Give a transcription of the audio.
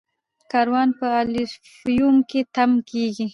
کاروان په الفیوم کې تم کیږي.